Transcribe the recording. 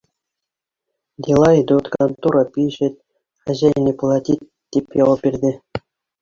Дела идут, контора пишет, хозяин не платит, — тип яуап бирҙе.